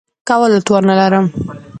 کولو توان نه لرم .